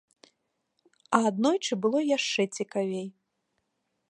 А аднойчы было яшчэ цікавей.